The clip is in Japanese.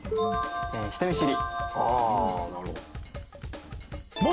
人見知り。